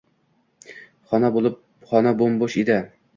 Xona bo`m-bo`sh edi